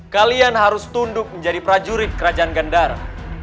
kalian harus tunduk menjadi prajurit kerajaan gandara